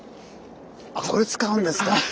あこれ使うんですか。